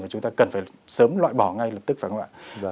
chúng ta cần phải sớm loại bỏ ngay lập tức phải không ạ